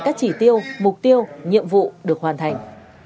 các chỉ tiêu mục tiêu nhiệm vụ được hoàn thành